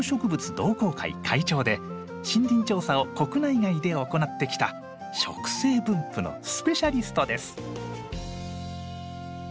同好会会長で森林調査を国内外で行ってきた植生分布のスペシャリストです。